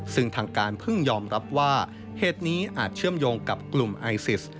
ซึ่งทางการเพิ่งยอมรับว่าเหตุนี้อาจเชื่อมโยงกับกลุ่มไอซิส